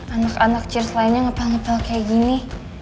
anak anak cheers lainnya ngepel ngepel kayak gini